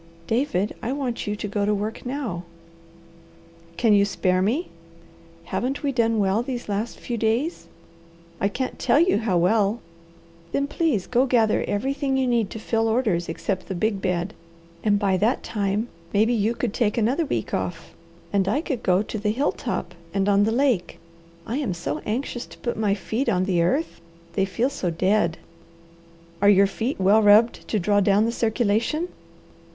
"David, I want you to go to work now." "Can you spare me?" "Haven't we done well these last few days?" "I can't tell you how well." "Then please go gather everything you need to fill orders except the big bed, and by that time maybe you could take another week off, and I could go to the hill top and on the lake. I'm so anxious to put my feet on the earth. They feel so dead." "Are your feet well rubbed to draw down the circulation?"